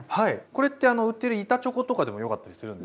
これってあの売ってる板チョコとかでもよかったりするんですか？